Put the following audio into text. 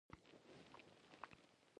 بیا به کورونو ته ور وګرځېدو خلکو به پوښتل.